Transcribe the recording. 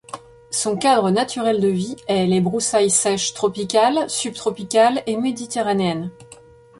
Son cadre naturel de vie est les broussailles sèches tropicales, subtropicales et méditerranéennes.